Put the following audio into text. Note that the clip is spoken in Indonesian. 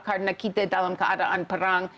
karena kita dalam keadaan perang